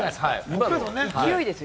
勢いですよ。